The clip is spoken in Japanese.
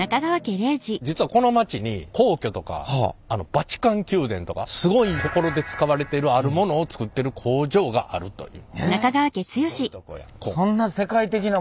実はこの町に皇居とかバチカン宮殿とかすごい所で使われてるあるものを作ってる工場があるという。